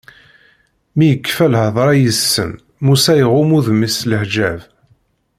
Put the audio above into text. Mi yekfa lhedṛa yid-sen, Musa iɣumm udem-is s leḥǧab.